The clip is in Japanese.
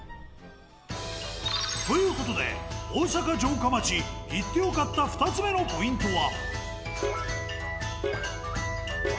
という事で大阪城下町行って良かった２つ目のポイントは。